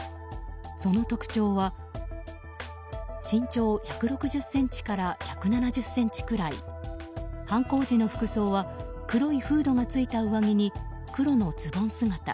その特徴は、身長１６０ｃｍから１７０ｃｍくらい犯行時の服装は黒いフードがついた上着に黒のズボン姿。